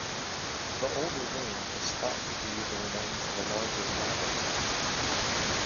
The older wing is thought to be the remains of a larger manor house.